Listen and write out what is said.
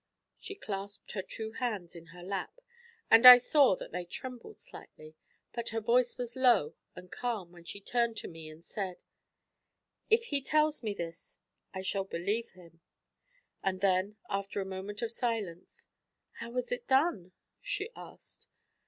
She clasped her two hands in her lap, and I saw that they trembled slightly; but her voice was low and calm when she turned to me and said: 'If he tells me this, I shall believe him.' And then, after a moment of silence, 'How was it done?' she asked.